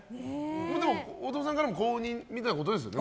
でも、大友さんからも公認みたいなことですよね。